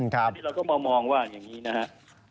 อันนี้เราก็มามองว่าอย่างนี้นะครับ